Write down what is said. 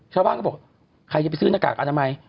เช้าบ้านก็บอกใครจะไปซื้อนางกอันดับใหม่